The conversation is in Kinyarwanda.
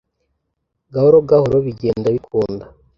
Gahoro gahoro bigenda bikunda